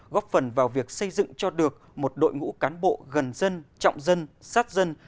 góp phần vào việc xây dựng cho được một đội ngũ cán bộ gần dân trọng dân sát dân